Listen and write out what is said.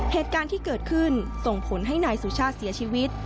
เหตุการณ์ที่เกิดขึ้นส่งผลให้นายสุชาติเสียชีวิต